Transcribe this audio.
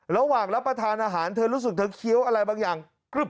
รับประทานอาหารเธอรู้สึกเธอเคี้ยวอะไรบางอย่าง